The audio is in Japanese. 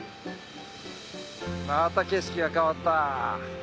また景色が変わった。